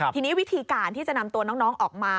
ทีนี้วิธีการที่จะนำตัวน้องออกมา